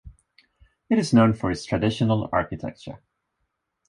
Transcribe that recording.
It is known for its traditional architecture.